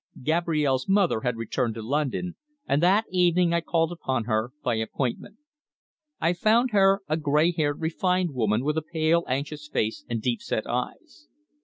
Gabrielle's mother had returned to London, and that evening I called upon her by appointment. I found her a grey haired refined woman with a pale anxious face and deep set eyes.